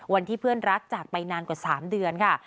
วันที่เพื่อนรักจากไปนานกว่า๓เดือนค่ะ